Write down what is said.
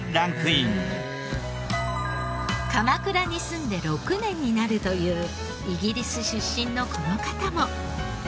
鎌倉に住んで６年になるというイギリス出身のこの方も。